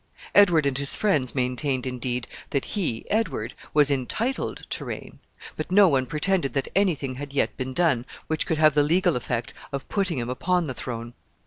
Edward and his friends maintained, indeed, that he, Edward, was entitled to reign, but no one pretended that any thing had yet been done which could have the legal effect of putting him upon the throne.